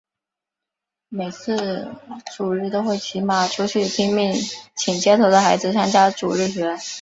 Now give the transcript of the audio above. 每次主日都会骑马出去拼命请街头的孩子参加主日学。